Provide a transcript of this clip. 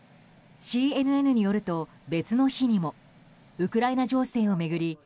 ＣＮＮによると、別の日にもウクライナ情勢を巡り